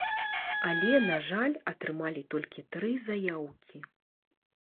Але, на жаль, атрымалі толькі тры заяўкі.